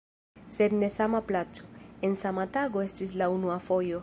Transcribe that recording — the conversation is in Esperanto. Sed en sama placo, en sama tago estis la unua fojo.